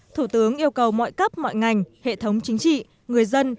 thủ tướng yêu cầu mọi cấp mọi ngành hệ thống chính trị người dân